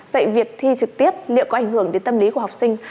vậy việc thi trực tiếp liệu có ảnh hưởng đến tâm lý của học sinh